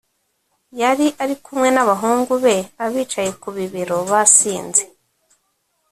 yari ari kumwe n’ abahungu be abicaye ku bibero basinze